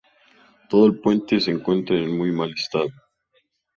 Todo el puente se encuentra en muy mal estado.